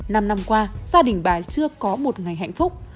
năm năm qua gia đình bà chưa có một ngày hạnh phúc